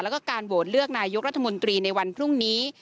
แล้วก็การโหวตเลือกนายกรัฐมนตรีในวันพรุ่งนี้